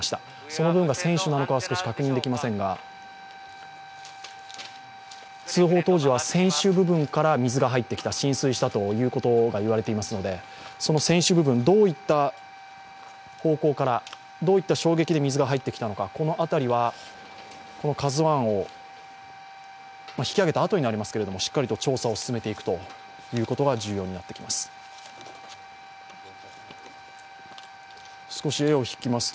その部分が船首なのかは少し確認できませんが通報当時は船首部分から水が入ってきた浸水したということが言われていますのでその船首部分、どういった方向から、どういった衝撃で水が入ってきたのかこの辺りはこの「ＫＡＺＵⅠ」を引き揚げたあとになりますがしっかりと調査を進めていくことが重要になってきます。